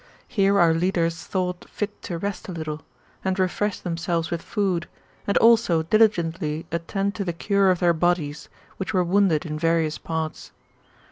Here our leaders thought fit to rest a little, and refresh themselves with food, and also diligently attend to the cure of their bodies, which were wounded in various parts.